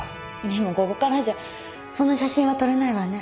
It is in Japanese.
でもここからじゃその写真は撮れないわね。